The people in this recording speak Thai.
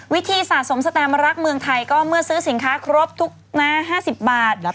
วิธีสะสมสแตมรักเมืองไทยก็เมื่อซื้อสินค้าครบทุก๕๐บาท